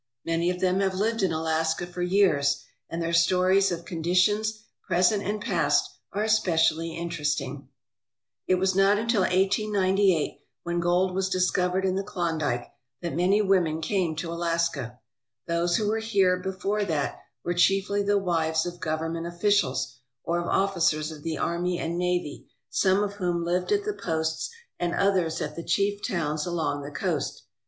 Many of them have lived in Alaska for years and their stories of conditions, present and past, are especially interesting. It was not until 1898, when gold was discovered in the Klondike, that many women came to Alaska. Those who were here before that were chiefly the wives of govern ment officials or of officers of the army and navy, some of whom lived at the posts and others at the chief towns along the coast.